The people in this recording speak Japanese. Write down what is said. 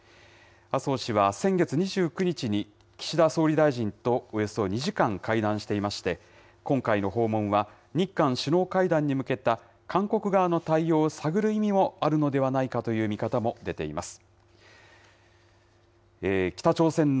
麻生氏は先月２９日に岸田総理大臣とおよそ２時間会談していまして、今回の訪問は、日韓首脳会談に向けた韓国側の対応を探る意味もあるのではないかという見方も出ています。